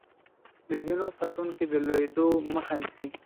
د زينو ساتونکي د لوېدو مخه نيسي.